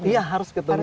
iya harus ketemui